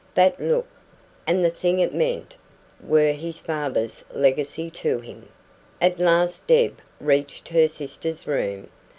That look, and the thing it meant, were his father's legacy to him. At last Deb reached her sister's room.